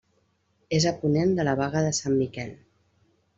És a ponent de la Baga de Sant Miquel.